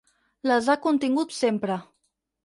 Les ha contingut sempre.